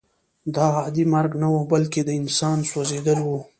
دا عادي مرګ نه و بلکې د انسان سوځېدل وو